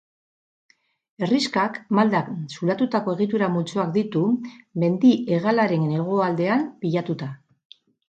Herrixkak maldan zulatutako egitura-multzoak ditu, mendi-hegalaren hegoaldean pilatuta.